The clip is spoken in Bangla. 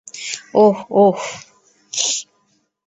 ওহ, ওহ।